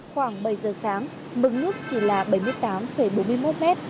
khoảng bảy giờ sáng mực nước chỉ là bảy mươi tám bốn mươi một m